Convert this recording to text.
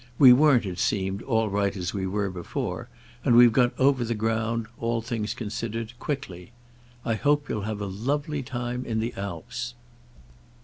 We weren't, it seemed, all right as we were before; and we've got over the ground, all things considered, quickly. I hope you'll have a lovely time in the Alps."